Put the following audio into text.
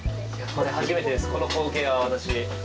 初めてです、この光景は。